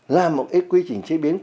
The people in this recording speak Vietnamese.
là một quy trình chế biến